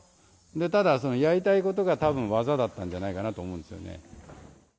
ただ、そのやりたいことが、たぶん技だったんじゃないかなと思うんですよね。